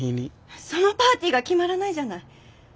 そのパーティーが決まらないじゃない。